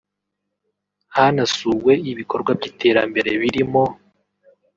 Hanasuwe ibikorwa by’iterambere birimo